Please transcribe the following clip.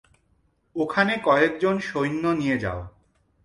ওখানে কয়েকজন সৈন্য নিয়ে যাও।